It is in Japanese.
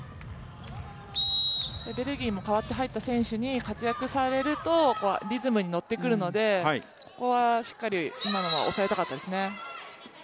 ベルギーも代わって入った選手に活躍されるとリズムに乗ってくるのでここはしっかり、今のは抑えたかったですね。